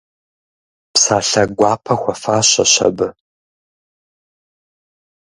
Псалъэ гуапэ хуэфащэщ абы.